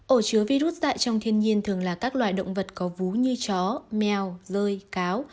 ổ chứa virus dại trong thiên nhiên thường là các loài động vật có vú như chó mèo rơi cá